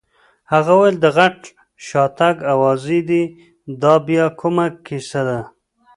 هغه وویل: د غټ شاتګ اوازې دي، دا بیا کومه کیسه ده؟